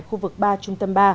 khu vực ba trung tâm ba